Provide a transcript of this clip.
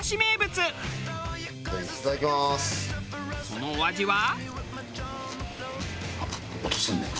そのお味は？